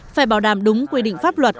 phải bảo đảm đúng quy định pháp luật